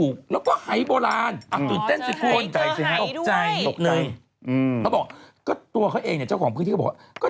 เขาบอกก็ตัวเขาเองเนี่ยเจ้าของพื้นที่เขาบอกว่า